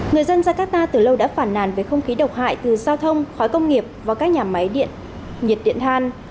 người dân jakarta từ lâu đã phản nàn về không khí độc hại từ giao thông khói công nghiệp và các nhà máy điện nhiệt điện than